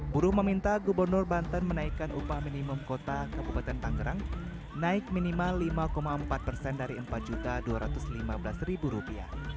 buruh meminta gubernur banten menaikkan upah minimum kota kabupaten tangerang naik minimal lima empat persen dari rp empat dua ratus lima belas